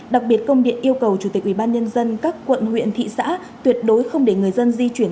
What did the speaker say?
đặc biệt công điện yêu cầu chủ tịch ubnd các quận huyện thị xã tuyệt đối không để người dân di chuyển